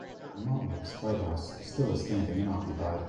The Montlake Spite House still is standing and occupied.